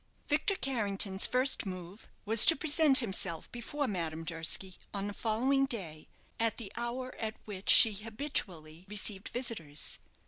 Victor Carrington's first move was to present himself before Madame Durski on the following day, at the hour at which she habitually received visitors.